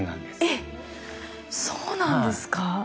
えっ、そうなんですか。